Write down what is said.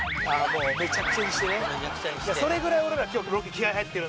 もうめちゃくちゃにしてね